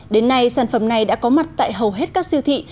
đến nay sản phẩm này đã có mặt tại hầu hết các siêu thị